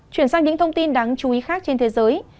chuyển sang những thông tin đáng chú ý khác trên thế giới